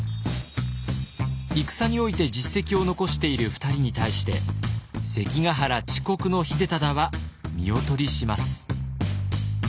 戦において実績を残している２人に対して関ヶ原遅刻の秀忠は見劣りします。